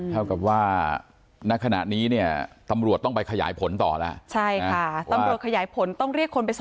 เท่ากับว่าณขณะนี้เนี่ยตำรวจต้องไปขยายผลต่อแล้ว